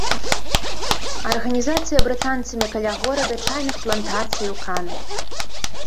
Арганізацыя брытанцамі каля горада чайных плантацый у кан.